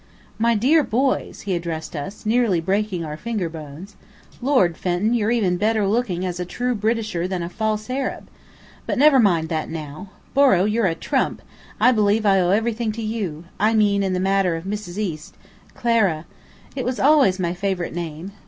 "My dear boys!" he addressed us, nearly breaking our finger bones. "Lord, Fenton, you're even better looking as a true Britisher than a false Arab! But never mind that now. Borrow, you're a trump. I believe I owe everything to you. I mean, in the matter of Mrs. East Clara. It always was my favourite name.